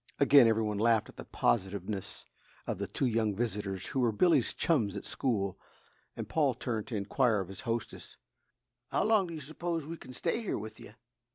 Again every one laughed at the positiveness of the two young visitors who were Billy's chums at school, and Paul turned to inquire of his hostess: "How long do you s'pose we can stay here with you?"